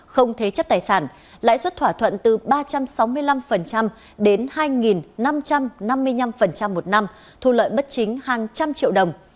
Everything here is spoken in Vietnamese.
không thế chấp tài sản lãi suất thỏa thuận từ ba trăm sáu mươi năm đến hai năm trăm năm mươi năm một năm thu lợi bất chính hàng trăm triệu đồng